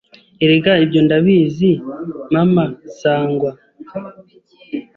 Erega ibyo ndabizi Mama Sangwa